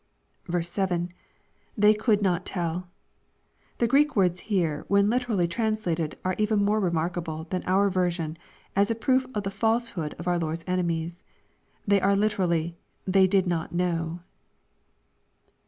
7. — [They could not tell,] The Greek words here, when literally translated, are even more remarkable than our version, as a proof of the felsehood of our Lord's enemies. They are literally, " they did EiQt know."